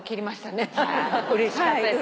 うれしかったです。